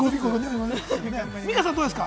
ミカさんどうですか？